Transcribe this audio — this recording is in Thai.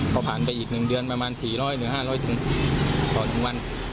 เขาผ่านไปอีก๑เดือนประมาณ๔๐๐๕๐๐ถุงต่อทุ่งวัน